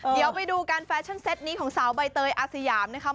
เดี๋ยวไปดูการแฟชั่นเต็ตนี้ของสาวใบเตยอาสยามนะคะ